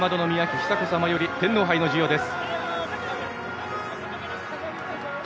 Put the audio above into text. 久子さまより天皇杯の授与です。